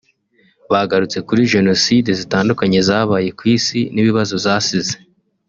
bagarutse kuri Jenoside zitandukanye zabaye ku Isi n’ibibazo zasize